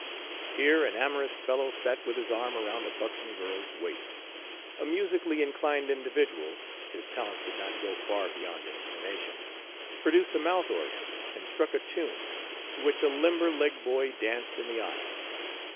Here an amorous fellow sat with his arm around a buxom girl's waist. A musically inclined individual his talents did not go far beyond inclination produced a mouth organ and struck up a tune, to which a limber legged boy danced in the aisle.